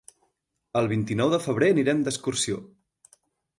El vint-i-nou de febrer anirem d'excursió.